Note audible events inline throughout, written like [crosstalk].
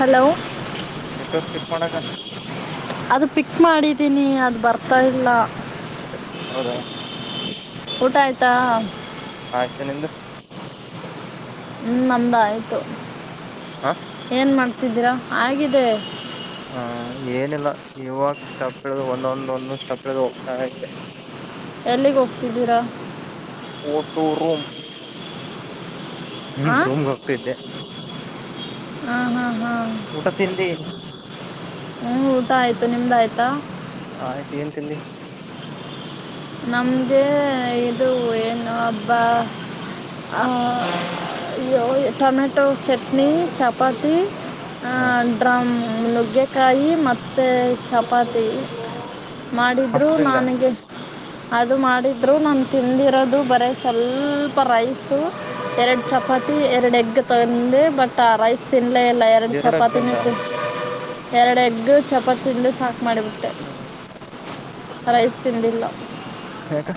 Hello ಎಷ್ಟವರ್ ತಿತ್ಕೊಂಡಕ [unintelligible] ಅದು pick ಮಾಡಿದ್ದೀನಿ ಅದು ಬರ್ತಾ ಇಲ್ಲ ಹೌದಾ ಊಟ ಆಯ್ತಾ ಆಯ್ತು ನಿಂದ್ ಹ್ಮ್ ನಂದ ಆಯ್ತು ಹ ಏನ್ ಮಾಡ್ತಿದ್ದೀರಾ ಆಗಿದೆ ಹ ಏನಿಲ್ಲ ಇವಾಗ ಸ್ಟಪ್ ಇಳದು ಒಂದೊಂದ್ ಒಂದೊಂದು ಸ್ಟಪ್ ಇಳದು ಹೋಗ್ತಾ ಇದ್ದೆ ಎಲ್ಲಿಗೆ ಹೋಗ್ತಿದ್ದೀರಾ ಟೂರು ಹ್ಮ್ ಹಾಂ ರೂಮ್ಗೆ ಹೋಗ್ತಿದ್ದೆ ಹಾ ಹಾ ಹಾ ಊಟ ತಿಂದಿ ಹ್ಮ್ ಊಟ ಆಯ್ತು ನಿಮ್ದ ಆಯ್ತಾ ಆಯ್ತು ಏನ್ ತಿಂದಿ ನಮ್ಗೆ ಇದು ಏನು ಹಬ್ಬ ಟೊಮೆಟೊ ಚಟ್ನಿ ಚಪಾತಿ ಆ ಹ ಡ್ರಮ್ ನುಗ್ಗೆಕಾಯಿ ಮತ್ತೆ ಚಪಾತಿ ಮಾಡಿದ್ರು ಅಷ್ಟು ತಿಂದ ನನಗೆ ಅದು ಮಾಡಿದ್ರು ನಾನು ತಿಂದಿರೋದು ಬರೀ ಸ್ವಲ್ಪ ರೈಸು ಎರಡು ಚಪಾತಿ ಎರಡು ಎಗ್ ತಂದೆ ಬಟ್ ಆ ರೈಸ್ ತಿನ್ಲೇ ಇಲ್ಲ ಎರಡು ಎರಡಾಗ ಚಪಾತಿನ ತಿಂದ ತಿ ಎರಡು ಎಗ್ ಚಪಾತಿ ತಿನ್ಲು ಸಾಕು ಮಾಡಿಬಿಟ್ಟೆ ಹ ರೈಸ್ ತಿಂದಿಲ್ಲ ಯಾಕ್ಕ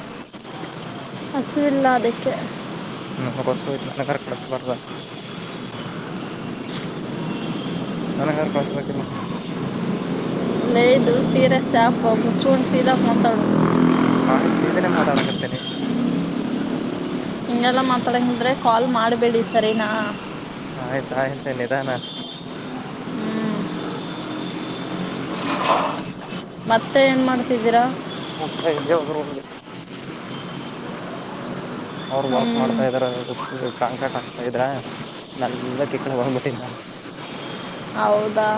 ಹಸುವಿಲ್ಲ ಅದಕ್ಕೆ ನ ನಮಗ ಹೊಸಯ್ ನನ ಕರ ಕಳಸ ಬರ್ವ [unintelligible] [unintelligible] ನನಗಾರ ಕಳ್ಸ್ಬೇಕಿಲ್ಲ ನೆದು ಸೀರೆ ಸ್ಯಾಫ ಹು ಚೂಂಡ ಸೀಲ ಮಾತಾಡ ಆ ಸೀಧನೆ ಮಾತಾಡಕತೇನೆ ಇನ್ನಲ್ಲಾ ಮಾತಾಡಂಗಂದ್ರೆ ಕಾಲ್ ಮಾಡಬೇಡಿ ಸರಿನಾ ಆಯ್ತ ಆಯ್ತ ನಿಧಾನ ಹ್ಞೂ ಹಜರಾ ಹ್ಮ ಎಲ್ಲಿ ಒಂದು ರೂಮ ಅವ್ರ ಹ್ಞೂ ವರ್ಕ್ ಮಾಡ್ತಾ ಇದ್ರ ಕಾಂಕ್ರೀಟ್ ಆಕ್ತಾ ಇದ್ರ ನಲ್ಲ ಕಿ ಕಡೆ ಬಂದ್ಬಿಟ್ಟಿದ್ದ ನಾನು ಹೌದಾ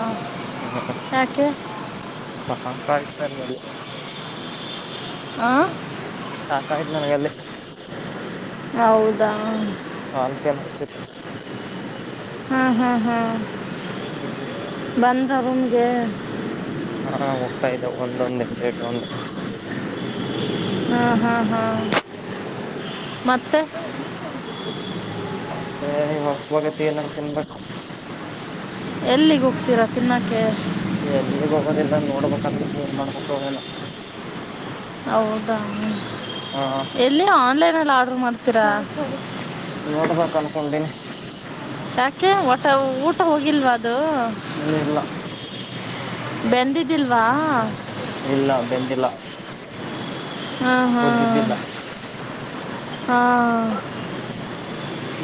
ಯಾಕೆ ಹಾಯ ನನಗ ಆ ಆಾಯ್ತು ನನಗೆ ಅಲ್ಲಿ ಹೌದಾ ಕಾಲ್ ಪೇನ್ ಆಗ್ತಿತ್ತು ಹ್ಮ್ ಹ್ಮ್ ಹಾ ಹ್ಮ್ ರೂಮ್ಗೆ ಹಾ ಹೋಗ್ತಾ ಇದ್ದಾವ ಒಂದೊಂದ ಎ ಒಂದು ಹ್ಮ ಹಾ ಹಾ ಮತ್ತೆ ಮತ್ತೆ ಈ ಹೊಸುವಗತಿ ಏನಾರ ತಿನ್ಬೇಕು ಎಲ್ಲಿಗೆ ಹೋಗ್ತೀರಾ ತಿನ್ನಕೆ ಎಲ್ಲಿಗ್ ಹೋಗೋದಿಲ್ಲ ನೋಡ್ಬೇಕಾದ ಏನ್ ಮಾಡ್ಬೇಕು ಏನು ಹೌದಾ ಹ್ಮ ಹಾ ಎಲ್ಲಿ ಆನ್ಲೈನ್ಲ್ಲಿ ಆರ್ಡರ್ ಮಾಡ್ತೀರಾ ನೋಡ್ಬೇಕ ಅನ್ಕೊಂಡೀನಿ ಮ ಊಟ ಹೋಗಿಲ್ವಾ ಅದು ಇಲ್ಲ ಬೆಂದಿದ್ದಿಲ್ವಾ ಇಲ್ಲ ಬೆಂದಿಲ್ಲ ಹ್ಮ್ ಹ್ಮ್ ಓದಿದ್ದಿಲ್ಲ ಹ್ಮ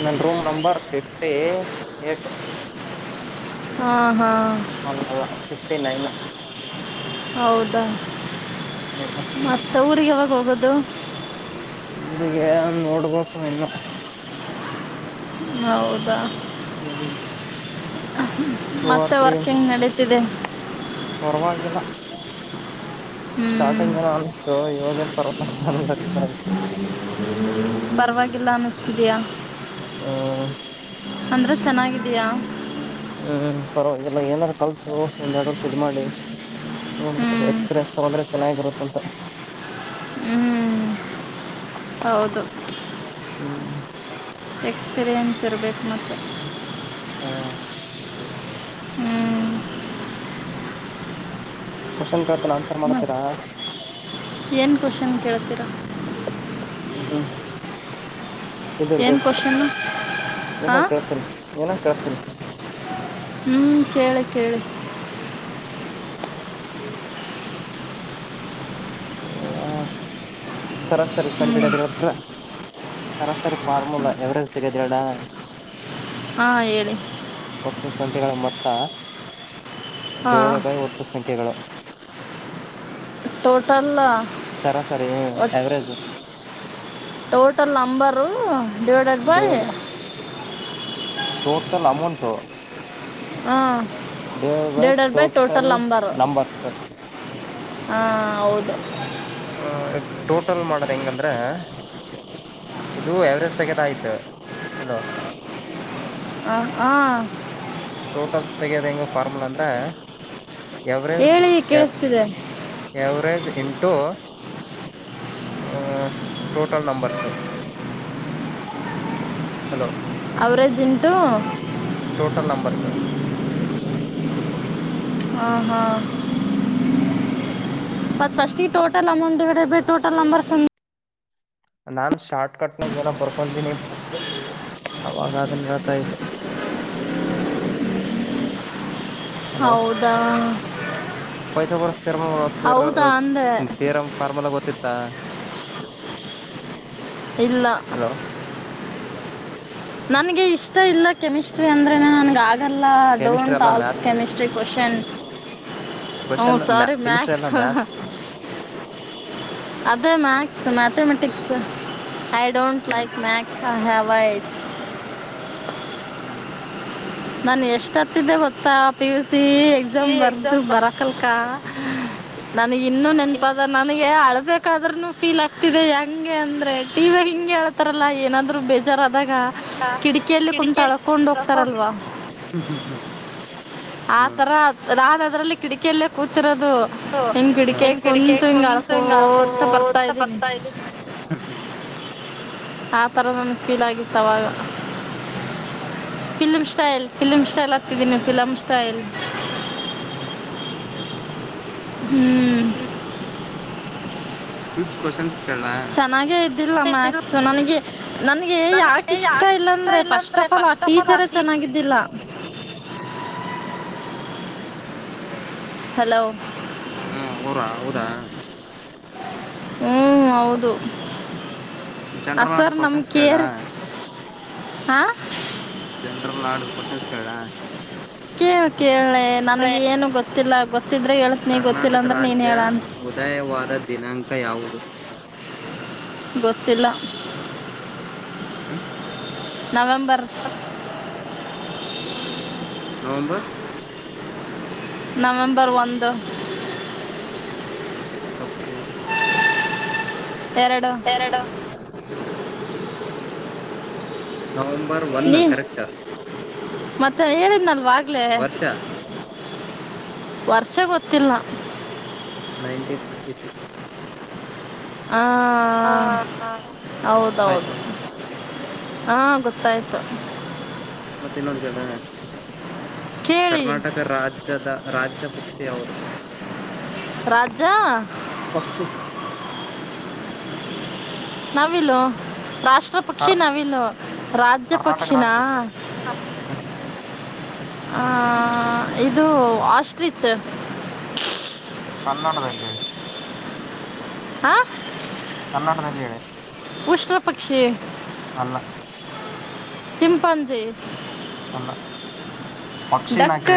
ನನ್ನ ರೂಮ ನಂಬರ್ ಫಿಫ್ಟಿ ಏಟು ಹಾ ಹಾ ಅೌ ಅ ಫಿಫ್ಟಿ ನೈನ್ ಹೌದಾ ಹ್ಮ್ ಹ್ಮ್ ಮತ್ತ ಊರಿಗೆ ಯಾವಾಗ ಹೋಗೋದು ಊರಿಗೆ ನೋಡ್ಬೇಕು ಇನ್ನ ಹೌದಾ ಹ್ಮ್ ಟೂ ಮತ್ತೆ ವರ್ಕಿಂಗ್ ನಡೀ ಇದೆ ಪರ್ವಾಗಿಲ್ಲ ಹ್ಞೂ ಸ್ಟಾರ್ಟಿಂಗ್ ಏನ್ ಅನಿಸ್ತು ಇವಾಗನ್ ಪರ ನ್ನಸಕ್ತಾಯ್ತು ಬಯ ಹಾ ಅಂದ್ರೆ ಚೆನ್ನಾಗಿದೀಯ ಹ್ಮ್ ಪರವಾಗಿಲ್ಲ ಏನಾರು ಕಲ್ತು ಒಂದ್ೆರಡು ವರ್ಷ ಇದು ಮಾಡಿ ಹ್ಞೂ ನೋಡ್ಬೇಕಾದ್ರ ಎಕ್ಸ್ಪೀರಿಯೆನ್ಸ್ ತಗಂದ್ರೆ ಚೆನ್ನಾಗಿರುತ್ತಂತ ಹ್ಮ್ ಹೌದು ಹ್ಮ್ ಎಕ್ಸ್ಪೀರಿಯೆನ್ಸ್ ಇರಬೇಕು ಮತ್ತೆ ಹ್ಮ ಹ್ಮ್ ಕ್ವೆಶನ್ ಕೇಳ್ತೀನಿ ಆನ್ಸರ್ ಮಾಡತೀರಾ ಹ ಏನು ಕ್ವಶನ್ ಕೇಳ್ತೀರ ಇದರ್ದು ಏನು ಕ್ವಶನ್ನು ಏನ ಕೇಳ್ತೇನಿ ಏನ ಕೇಳ್ತೇನಿ ಹ್ಮ್ ಕೇಳಿ ಕೇಳಿ ಕೇಳ ಸರಾಸರಿ ಹ್ಞೂ ಕಂಡಿಡೋದ ಸರಾಸರಿ ಫಾರ್ಮುಲಾ ಯವರ ಸಿಗದ ಹೇಳಡ ಹಾಂ ಹೇಳಿ ಒಟ್ಟು ಸಂಖ್ಯೆಗಳ ಮೊತ್ತ ಡೇಳ ಹಾಂ ಬೈ ಒಟ್ಟು ಸಂಖ್ಯೆಗಳು ಟೋಟಲ್ ಸರ ಸರಿಏ ಒಟ್ಟು average total number divided by the total amount ಹಾ ದಡ್ರ್ಬಾಯ ಟೋಟಲ್ ಅಂಬರ್ ನಂಬರ್ಸ್ ಹಾ ಹೌದು ಹ್ಮ ಟೋಟಲ್ ಮಾಡದ ಹೆಂಗಂದ್ರೆ ಇದು ಎವರೆಸ್ಟ್ ತೆಗೆದ ಅಯ್ತೆ ಹಲೋ. [unintelligible] ಹಾ ಟೋಟಲ್ ತೆಗ್ಯೋದ ಹೆಂಗ ಫಾರ್ಮುಲ ಅಂದ್ರೆ ಎವರಜ್ ಹೇಳಿ [unintelligible] ಕೇಳಿಸ್ತಿದೆ ಎವರಜ್ ಎಂಟು [unintelligible] total numbers hello average into [unintelligible] total numbers. ಹಾ ಹಾ [unintelligible] total amount divided total numbers [unintelligible] ನಾನ್ ಶಾರ್ಟ್ ಕಟ್ನಾಗ ಏನೋ ಬರ್ಕಂತೀನಿ ಬುಕ್ಕಲ್ಲಿ ಅವಾಗದು [unintelligible] ಇದ್ದೆ. ಹೌದಾ ಪ್ಯಾಂತಾಗೋರಸ್ ಹೌದಾ ಅಂದೆ [unintelligible] ಥಿಯರಿಮ್ ಫಾರ್ಮುಲಾ ಗೊತ್ತತ್ತಾ. ಇಲ್ಲ ಹಲೋ ನನ್ಗೆ ಇಷ್ಟ ಇಲ್ಲ ಕೆಮಿಸ್ಟ್ರಿ ಅಂದ್ರೆನೆ ನನ್ ಆಗ್ [unintelligible] ಕೆಮಿಸ್ಟ್ರಿ ಡೋಂಟ್ ಎಲ್ಲ ask maths chemistry questions. Question [unintelligible] sari chemistry maths ಎಲ್ಲ [unintelligible] ಮ್ಯಾಥ್ಸ್ ಅದೇ maths mathematics I don't hmm like maths I avoid. ಹ್ಮ ನಾನ ಎಷ್ಟ ಹತ್ತಿದ್ದೆ ಗೊತ್ತಾ ಪಿ ಯು ಸಿ ಎಕ್ಸಾಮ್ ಬರ್ದು ಬರಕಲ್ಕ. [unintelligible] ನನಗೆ ಇನ್ನೂ ನೆನ್ಪಾದ [unintelligible] [unintelligible] ಹಳ್ಬೇಕಾರ್ದ್ರುನು ಫೀಲ್ ಆಗ್ತಿದೆ ಹೆಂಗೆ ಅಂದ್ರೆ ಟಿ ವಿ [unintelligible] ಹಿಂಗೆ ಹಳ್ತಾರಲ್ಲ ಏನಾದ್ರು ಬೇಜಾರ [unintelligible] ಆದಾಗ ಕಿಟಕಿಯಲ್ಲಿ ಕುಂತು ಅಳಕೊಂಡ್ ಹೋಗ್ತಾರಲ್ವಾ. ಹ್ಮ ಹ್ಮ್ ಹ್ಮ್ [unintelligible] ಹ [unintelligible] ಅದ್ರಲ್ಲಿ ಕಿಟಕಿಯಲ್ಲೇ ಕೂತಿರೋದ್ ಅದು ಹಿಂಗ್ [unintelligible] ಕುಂತು ಹಿಂಗ್ ಅಳ್ಕೋಂತ ಬರ್ತಾ ಇದ್ದೀನಿ. [unintelligible] ಆ ತರ ಒಂದ್ ಫೀಲ್ ಆಗಿತ್ ಅವಾಗ. ಹೌದಾ film style film style [unintelligible] film style [unintelligible] ಹ್ಮ್ [unintelligible] ಚೆನ್ನಾಗೆ ಇದ್ದಿಲ್ಲ ಮ್ಯಾಕ್ಸ್ ನನಗೆ ನನ್ಗೆ ಯಾಕ ಇಷ್ಟ ಇಲ್ಲ ಅಂದ್ರೆ ಫಸ್ಟ್ ಆಫ್ ಆಲ್ [unintelligible] ಟೀಚರೇ ಚೆನ್ನಾಗಿದ್ದಿಲ್ಲ. ಹಲೋ ಹ್ಮ [unintelligible] ಹೌದಾ ಹ್ಮ್ ಹೌದು ಆ ಜನರಲ್ ಸರ್ ನಾಲೆಡ್ಜ್ ನಮ್ಮ ಕ್ವಶನ್ಸ್ ಕೇಳ. ಕೇರ್ ಹಾಂ ಜನರಲ್ ನಾಲೆಡ್ಜ್ ಕ್ವಶನ್ಸ್ ಕೇಳ ಕೇಳ ಕೇಳೆ ನನ್ಗೆ ಏನು ಗೊತ್ತಿಲ್ಲ. ಗೊತ್ತಿದ್ರೆ ಹೇಳ್ತೀನಿ ಗೊತ್ತಿಲ್ಲ ಕರ್ನಾಟಕ ಅಂದ್ರೆ ನೀನು ರಾಜ್ಯ ಹೇಳ ಅನ್ಸ್ ಉದಯವಾದ ದಿನಾಂಕ ಯಾವುದು ಗೊತ್ತಿಲ್ಲ [unintelligible] ನವೆಂಬರ್ ನವಂಬರ್ ನವೆಂಬರ್ ಒಂದು ತಪ್ಪು ಎರಡು ಎರಡು ನವಂಬರ್ ಒನ್ ನೀ ಕರೆಕ್ಟ್ ಮತ್ತೆ ಹೇಳಿದ್ನಲ್ವಾ ಆಗ್ಲೇ ವರ್ಷ ವರ್ಷ ಗೊತ್ತಿಲ್ಲ ನೈಂಟಿನ್ ಫಿಫ್ಟಿ ಸಿಕ್ಸ್ ಹಾ ಹಾ ಹಾ ಹೌದೌದು ಆಯ್ತಾ ಹಾ ಗೊತ್ತಾಯ್ತು ಮತ್ತೆ ಇನ್ನೊಂದ್ ಕೇಳ ಕೇಳಿ ಕರ್ನಾಟಕ ರಾಜ್ಯದ ರಾಜ್ಯ ಪಕ್ಷಿ ಯಾವುದು ರಾಜ್ಯ ಪಕ್ಷಿ ನವಿಲು ರಾಷ್ಟ್ರ ಪಕ್ಷಿ ಕರ್ ನಾವಿಲು ರಾಜ್ಯ ಕರ್ನಾಟಕ ಪಕ್ಷಿನಾ ರಾಜ್ಯದ್ದು ಹ್ಮ್ ಆ ಇದು ಆಸ್ಟ್ರಿಚ್ ಕನ್ನಡದಲ್ಲಿ ಹೇಳಿ ಹಾ ಕನ್ನಡದಲ್ಲಿ ಹೇಳೆ ಉಷ್ರ ಪಕ್ಷಿ ಅಲ್ಲ ಚಿಂಪಾಂಜಿ ಅಲ್ಲ ಪಕ್ಷಿ ನಾ ಡಕ್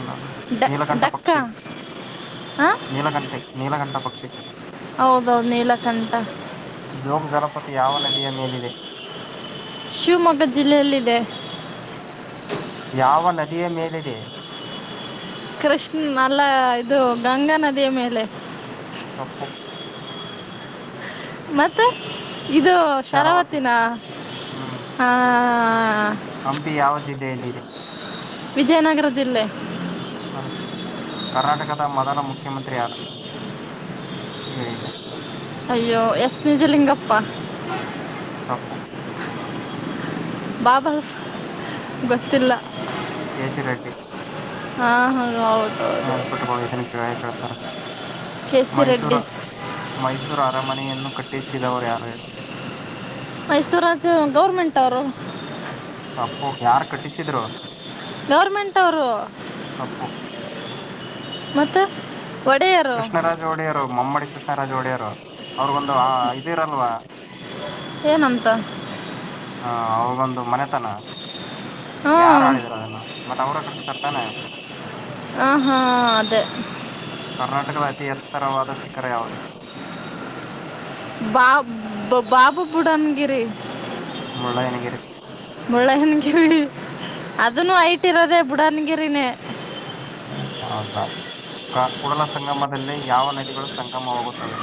ಇಲ್ಲ ಬಿಡಿ ಡ ನೀಲಗಂಠ ಡಕ್ಕ ಪಕ್ಷಿ ಹಾಂ ನೀಲಗಂಟೆ ನೀಲಗಂಠ ಪಕ್ಷಿ ಹೌದೌದು ನೀಲಕಂಠ ಜೋಗ ಜಲಪಾತ ಯಾವ ನದಿಯ ಮೇಲಿದೆ ಶಿವಮೊಗ್ಗ ಜಿಲ್ಲೆಯಲ್ಲಿದೆ ಯಾವ ನದಿಯ ಮೇಲಿದೆ ಕೃಷ್ಣ ಅಲ್ಲ ಇದು [unintelligible] ಮೇಲೆ ತಪ್ಪು ಮತ್ತೆ ಇದು ಶರಾವತಿ ನಾ ಹ್ಮ್ ಹಾ ಹಂಪಿ ಯಾವ ಜಿಲ್ಲೆಯಲ್ಲಿದೆ ವಿಜಯನಗರ ಜಿಲ್ಲೆ [unintelligible] ಕರ್ನಾಟಕದ ಮೊದಲ ಮುಖ್ಯಮಂತ್ರಿ ಯಾರು ಹೇಳಿದ್ದೆ ಪ ತಪ್ಪು ಬಾಬಸ್ ಗೊತ್ತಿಲ್ಲ ಕೆ ಸಿ ರೆಡ್ಡಿ ಹಾ ಹ್ಮ [unintelligible] ನೆನ್ಪಿಟ್ಕೊಳ್ಳ ಇದನ್ನ ಕೇಳ ಕೇಳ್ತಾರೆ ಕೆ ಸಿ ಮೈಸೂರ ರೆಡ್ಡಿ ಮೈಸೂರ ಅರಮನೆಯನ್ನು ಕಟ್ಟಿಸಿದವರು ಯಾರು ಮೈಸೂರಾಜ್ ಗೌರ್ಮೆಂಟ್ ಅವರು ತಪ್ಪು ಯಾರ್ ಕಟ್ಟಿಸಿದ್ರು ಗೌರ್ಮೆಂಟ್ ಅವರು ಮತ್ತು ಒಡೆಯರು ಕೃಷ್ಣರಾಜ್ ಒಡೆಯರು ಮಮ್ಮಡಿ ಕೃಷ್ಣರಾಜ್ ಒಡೆಯರು ಅವ್ರಗೊಂದು ಇದಿರಲ್ವಾ ಏನಂತ ಹಾ ಅವ್ರಿಗೊಂದು ಮನೆತನ ಹ್ಞೂ ಯಾರ ಆಳಿದ್ರ ಅದನ್ನ ಮತ್ ಅವ್ರ ಕಟ್ಟಿಸ್ತರೇಥಾನೆ ಹಾಂ ಹಾಂ ಅದೇ ಕರ್ನಾಟಕ ಅತೀ ಎತ್ತ ತ್ತರವಾದ ಶಿಖರ ಯಾವುದು ಬಾ ಬಾಬು ಬುಡ್ನಗಿರಿ ಮುಳ್ಳಯ್ಯನ ಗಿರಿ ಬುಳ್ಳನಗಿರಿಿ ಅದನು ಐಟ್ ಇರೋದೆೇ ಬುಡನಗಿರಿನೇ ಹ್ಮ ಹೌ ಬ ಆ ಕೂಡಲ ಸಂಗಮದಲ್ಲೇ ಯಾವ ನದಿಗಳು ಸಂಗಮವಾಗುತ್ತವೆ ಹಾ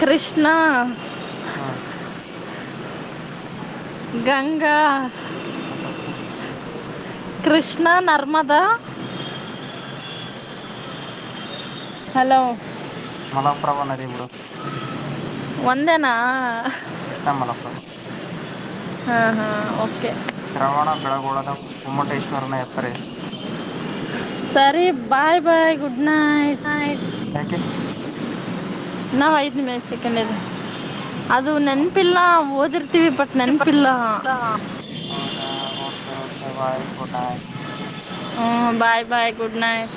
ಕೃಷ್ಣ ಹಾ ಗಂಗಾ ಅದ್ ತಪ್ಪು ಕೃಷ್ಣ ನರ್ಮದಾ ಹಲೋ ಮಲ ಪ್ರಭಾವ ನದೆ ಎವಡ ಒಂದೇನಾ ಕೃಷ್ಣ ಮಲಪ್ರಭು ಹಾ ಹಾ ಶ್ರವಣ ಬೆಳಗೊಳದ ಗೋಮಟೇಶ್ವರನ ಎತ್ತರ ಎಷ್ಟು ಸರಿ ಬಾಯ್ ಬಾಯ್ ಗುಡ್ ನೈಟ್ ಹ್ೆ ನಾ ವಯತನ ಮೇಕಂಡ ಅದು ನೆನಪಲ್ಲಾ ಓ ಹೌದಾ ಕ ಕೆ ಬಾಯ್ ಗುಡ್ ನೈಟ್ ಹ್ಮ ಬಾಯ್ ಬಾಯ್ ಗುಡ್ ನೈಟ್